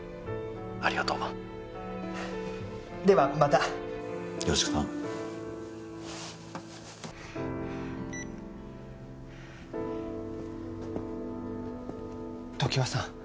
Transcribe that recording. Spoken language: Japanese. ☎ありがとうではまたよろしく頼む常盤さん